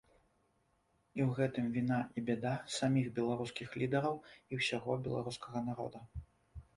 І ў гэтым віна і бяда саміх беларускіх лідараў і ўсяго беларускага народа.